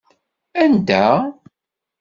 Anda?